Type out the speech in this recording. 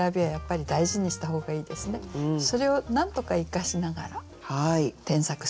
それをなんとか生かしながら添削するといいと思います。